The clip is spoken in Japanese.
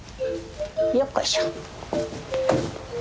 よっこいしょ。